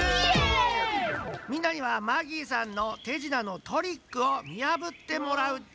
みんなにはマギーさんの手品のトリックを見破ってもらうっち。